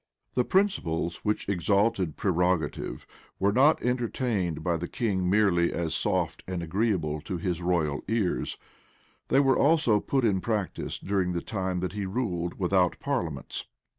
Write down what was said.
[*] The principles which exalted prerogative, were not entertained by the king merely as soft and agreeable to his royal ears; they were also put in practice during the time that he ruled without parliaments.